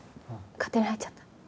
勝手に入っちゃった。